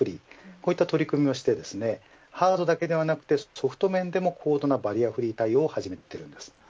こういった取り組みをしてハードだけではなくソフト面でも高度なバリアフリー対応を始めています。